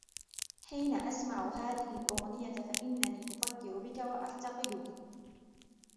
حين أسمع هذه الأغنية ، فإنني أفكر بك ، وأفتقدك.